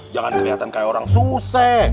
jangan keliatan kaya orang suse